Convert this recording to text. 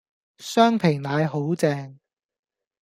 雙皮奶好正